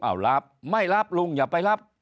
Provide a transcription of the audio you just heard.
เอารับไม่รับลุงอย่าไปรับ